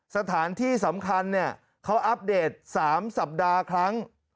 สถานที่สำคัญเขาอัปเดต๓สัปดาห์ครั้ง